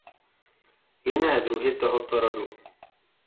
Jiné druhy tohoto rodu.